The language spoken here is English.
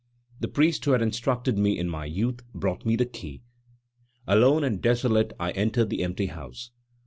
The priest who had instructed me in my youth brought me the key; alone and desolate I entered the empty house.